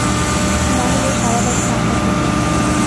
না হলে ও সারা বাড়ি মাথায় তুলবে।